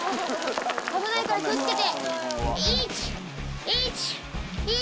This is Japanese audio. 危ないから気を付けて。